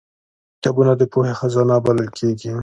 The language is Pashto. کتابونه د پوهې خزانه بلل کېږي